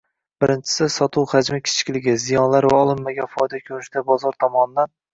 Birinchisi — sotuv hajmi kichikligi, ziyonlar va olinmagan foyda ko‘rinishida bozor tomonidan.